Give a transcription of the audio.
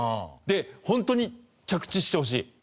でホントに着地してほしい。